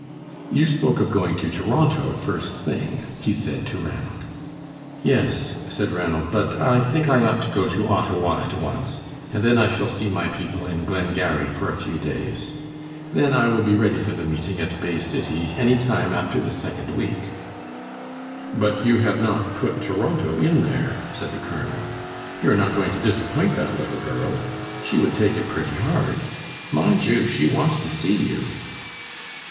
"You spoke of going to Toronto first thing," he said to Ranald. "Yes," said Ranald; "but I think I ought to go to Ottawa at once, and then I shall see my people in Glengarry for a few days. Then I will be ready for the meeting at Bay City any time after the second week." "But you have not put Toronto in there," said the colonel; "you are not going to disappoint that little girl? She would take it pretty hard. Mind you, she wants to see you."